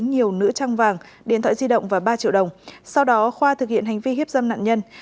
nhiều nữ trang vàng điện thoại di động và ba triệu đồng sau đó khoa thực hiện hành vi hiếp dâm nạn nhân